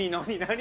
何？